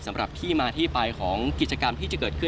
สำหรับที่มาที่ไปของกิจกรรมที่จะเกิดขึ้น